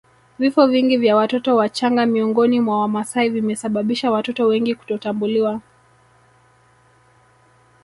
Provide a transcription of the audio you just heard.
Vifo vingi vya watoto wachanga miongoni mwa Wamasai vimesababisha watoto wengi kutotambuliwa